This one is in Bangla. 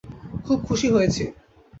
খুব খুশি হয়েছি।